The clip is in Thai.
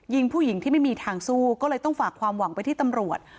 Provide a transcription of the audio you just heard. ผู้หญิงที่ไม่มีทางสู้ก็เลยต้องฝากความหวังไปที่ตำรวจ